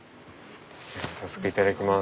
早速いただきます。